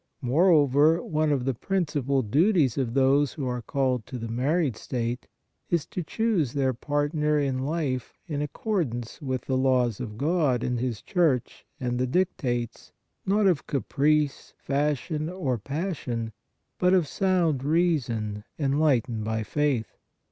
Moreover, one of the principal duties of those who are called to the married state is to choose their partner in life in accordance with the laws of God and His Church and the dictates, not of caprice, fashion or passion, but of sound reason enlightened by faith.